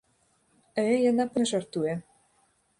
Э, яна, пэўна, жартуе.